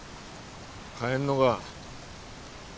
帰んのが。